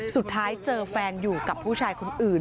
สุดท้ายเจอแฟนอยู่กับผู้ชายคนอื่น